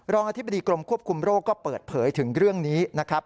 อธิบดีกรมควบคุมโรคก็เปิดเผยถึงเรื่องนี้นะครับ